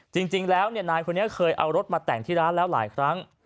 จริงแล้วนายคนนี้เคยเอารถมาแต่งที่ร้านแล้วหลายครั้ง